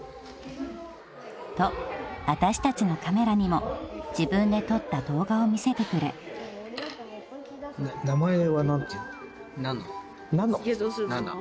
［と私たちのカメラにも自分で撮った動画を見せてくれ］なの？